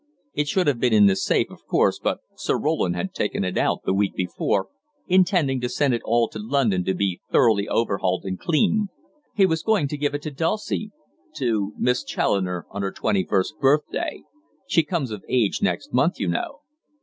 It should have been in the safe, of course, but Sir Roland had taken it out the week before, intending to send it all to London to be thoroughly overhauled and cleaned he was going to give it to Dulcie to Miss Challoner on her twenty first birthday; she comes of age next month, you know.